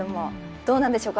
どうなんでしょうか